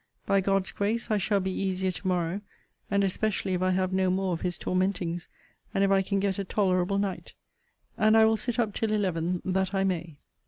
By God's grace, I shall be easier to morrow, and especially if I have no more of his tormentings, and if I can get a tolerable night. And I will sit up till eleven, that I may.